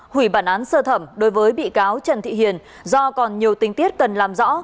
hủy bản án sơ thẩm đối với bị cáo trần thị hiền do còn nhiều tình tiết cần làm rõ